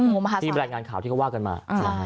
มหาศาลมีแบรนด์งานข่าวที่เขาว่ากันมา